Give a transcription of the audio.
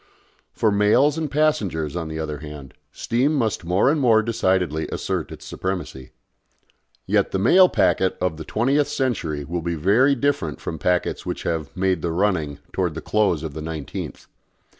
For mails and passengers, on the other hand, steam must more and more decidedly assert its supremacy. Yet the mail packet of the twentieth century will be very different from packets which have "made the running" towards the close of the nineteenth.